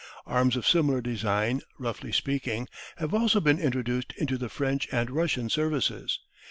Arms of similar design, roughly speaking, have also been introduced into the French and Russian services.